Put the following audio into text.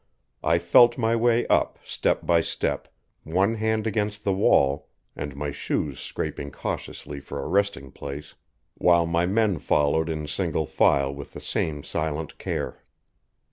I felt my way up step by step, one hand against the wall and my shoes scraping cautiously for a resting place, while my men followed in single file with the same silent care.